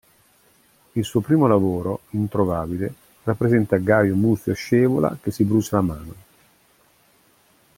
Il suo primo lavoro, introvabile, rappresenta Gaio Muzio Scevola che si brucia la mano.